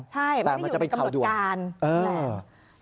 ใช่มันไม่อยู่ในกำหนดการใช่แต่มันจะเป็นข่าวด้วนใช่แต่มันจะเป็นข่าวด้วน